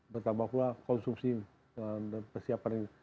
bertambah pula konsumsi persiapan ini